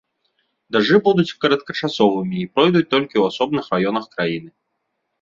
Дажджы будуць кароткачасовымі і пройдуць толькі ў асобных раёнах краіны.